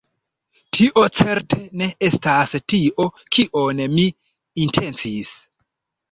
Tio certe ne estas tio kion mi intencis!